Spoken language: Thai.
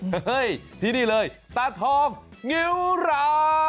เฮ้ยที่นี่เลยตาทองงิ้วรา